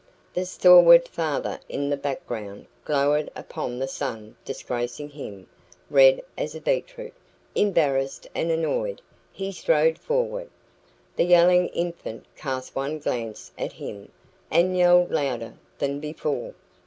The stalwart father in the background glowered upon the son disgracing him. Red as beetroot, embarrassed and annoyed, he strode forward. The yelling infant cast one glance at him, and yelled louder than before.